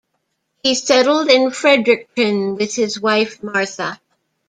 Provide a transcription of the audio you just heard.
He settled in Fredericton with his wife, Martha.